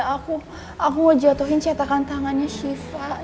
aku aku mau jatuhin cetakan tangannya syifa